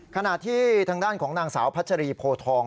ขณะที่ทางด้านของนางสาวพัชรีโพทอง